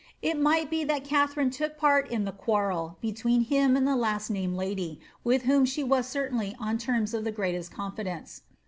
It might be that Katharine took part in the quarrel between him and the last named lady, with whom she was certainly on terms of the greatest confidence.